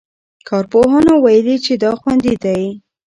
کارپوهانو ویلي چې دا خوندي دی.